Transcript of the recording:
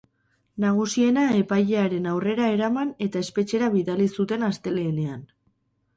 Nagusiena epailearen aurrera eraman eta espetxera bidali zuten astelehenean.